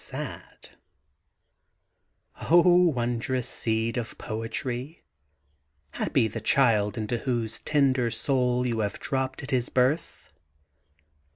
^^ THE GARDEN GOD *0 wondrous seed of poetry 1 Happy the child into whose tender soul you have dropped at his birth